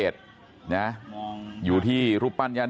สวัสดีครับคุณผู้ชาย